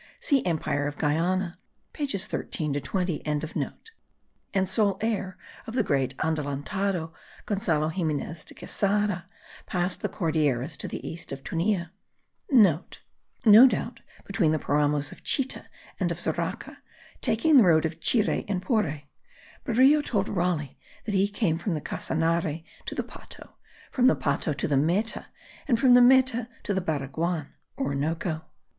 See Empire of Guiana pages 13 to 20.) and sole heir of the great Adelantado Gonzalo Ximenez de Quesada, passed the Cordilleras to the east of Tunja,* (* No doubt between the Paramos of Chita and of Zoraca, taking the road of Chire and Pore. Berrio told Raleigh that he came from the Casanare to the Pato, from the Pato to the Meta, and from the Meta to the Baraguan (Orinoco).